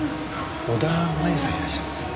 小田麻衣さんいらっしゃいます？